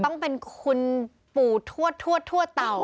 ต้องเป็นคุณปู่ทวดทั่วเต่า